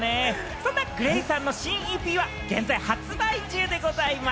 そんなＧＬＡＹさんの新ＥＰは現在発売中でございます。